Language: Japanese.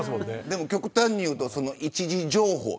でも極端に言うと１次情報。